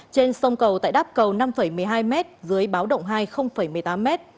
trên sông cầu tại đắp cầu năm một mươi hai m dưới báo động hai một mươi tám m